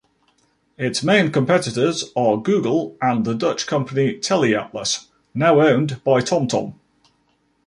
Its main competitors are Google and the Dutch company TeleAtlas now owned by TomTom.